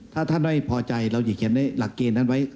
ถ้าท่านไม่พอใจเราจะเขียนในหลักเกณฑ์นั้นไว้